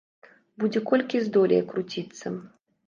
Будзе колькі здолее круціцца.